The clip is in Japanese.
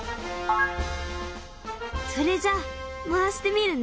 それじゃ回してみるね。